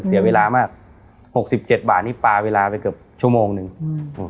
เสียเวลามากหกสิบเจ็ดบาทนี่ปลาเวลาไปเกือบชั่วโมงหนึ่งอืม